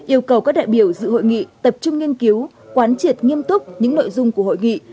yêu cầu các đại biểu dự hội nghị tập trung nghiên cứu quán triệt nghiêm túc những nội dung của hội nghị